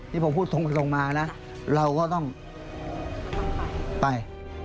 นี่ผมพูดตรงมานะเราก็ต้องไป